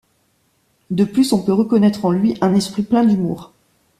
De plus, on peut reconnaître en lui un esprit plein d'humour.